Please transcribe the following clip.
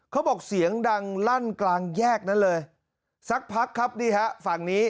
เขาบอกเสียงดังลั่นกลางแยกนั้นเลยสักพักครับนี่ฮะฝั่งนี้